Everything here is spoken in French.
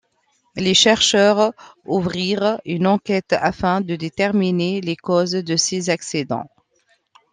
Les chercheurs ouvrirent une enquête afin de déterminer les causes de ces accidents.